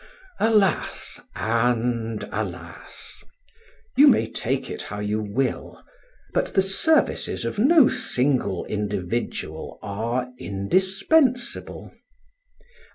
Alas and alas! you may take it how you will, but the services of no single individual are indispensable.